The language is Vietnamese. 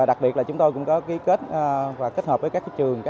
đặc biệt là chúng tôi cũng có ký kết và kết hợp với các trường